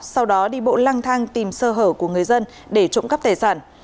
sau đó đi bộ lang thang tìm sơ hở của người dân để trộm cắp tài sản